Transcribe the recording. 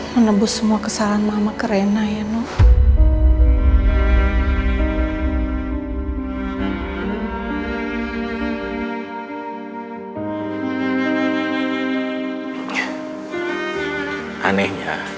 menebus semua kesalahan mama ke rena ya noh